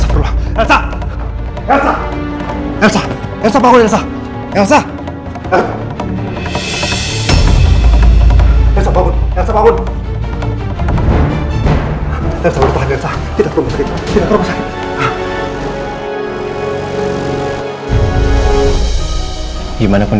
elsa di rumah dong